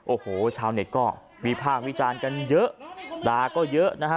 โอ้โหชาวเน็ตก็วิพากษ์วิจารณ์กันเยอะด่าก็เยอะนะฮะ